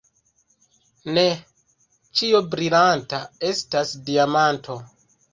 Ne ĉio brilanta estas diamanto.